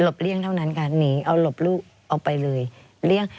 หลบเลี่ยงเท่านั้นการหนีเอาหลบลูกเอาไปเลย